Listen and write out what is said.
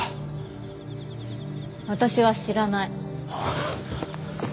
私は知らない。